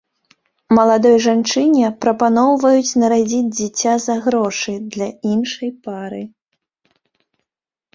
Маладой жанчыне прапаноўваюць нарадзіць дзіця за грошы для іншай пары.